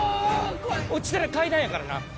落ちたら階段やからな。